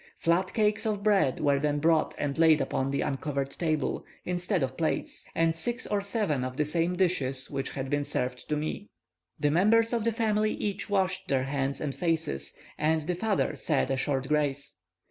Flat cakes of bread were then brought and laid upon the uncovered table, instead of plates, and six or seven of the same dishes which had been served to me. The members of the family each washed their hands and faces, and the father said a short grace.